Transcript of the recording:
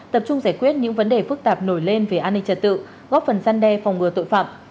tập trung giải quyết những vấn đề phức tạp nổi lên về an ninh trật tự góp phần gian đe phòng ngừa tội phạm